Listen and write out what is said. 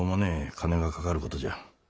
金がかかることじゃ。